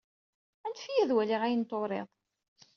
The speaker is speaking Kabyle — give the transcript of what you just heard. Anef-iyi ad waliɣ ayen i turiḍ.